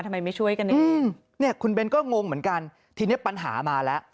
ทำไมไม่ช่วยกันเองเนี่ยคุณเบ้นก็งงเหมือนกันทีนี้ปัญหามาแล้ว